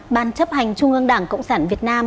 ban chấp hành trung ương đảng cộng sản việt nam